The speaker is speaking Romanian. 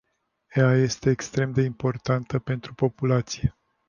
Ea este extrem de importantă pentru populație.